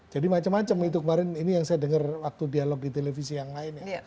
jadi macam macam itu kemarin ini yang saya dengar waktu dialog di televisi yang lain ya